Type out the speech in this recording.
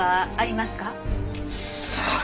さあ？